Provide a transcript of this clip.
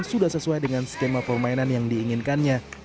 sudah sesuai dengan skema permainan yang diinginkannya